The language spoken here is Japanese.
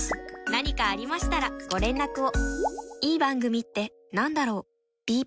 何かありましたらご連絡を。